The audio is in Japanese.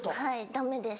ダメです。